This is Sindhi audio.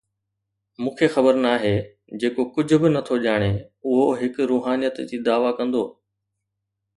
مون کي خبر ناهي، جيڪو ڪجهه به نه ٿو ڄاڻي، اهو هڪ روحانيت جي دعوي ڪندو.